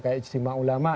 kayak istimewa ulama